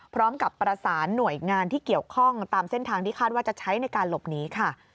พร้อมกับประสานหน่วยงานที่เกี่ยวข้องตามเส้นทางที่คาดว่าจะใช้ในการหลบหนีค่ะ